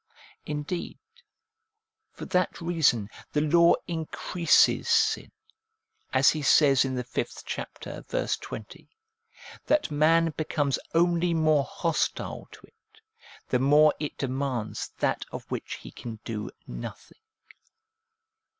Indeed, for that reason the law increases sin, as he says in the fifth chapter, verse 20, that man becomes only more hostile to it, the more it demands that of which he can do nothing.